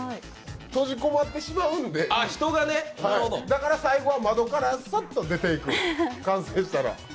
閉じこもってしまうんで、だから最後は窓からサッと出て行く完成したら。